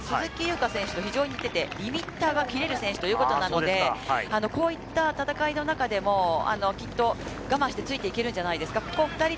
鈴木優花選手と非常に似ていて、リミッターが切れる選手ということなので、こういった戦いの中でもきっと我慢してついていけるんじゃないですか。